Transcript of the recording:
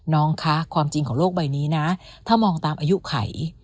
น้องคะความจริงของโลกใบนี้นะถ้ามองตามอายุไข